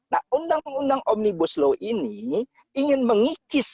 nah undang undang omnibus law ini ingin mengikis